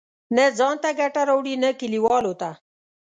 نه ځان ته ګټه راوړي، نه کلیوالو ته.